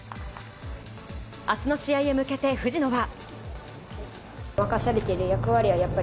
明日の試合へ向けて藤野は。